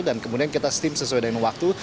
dan kemudian kita steam sesuai dengan waktu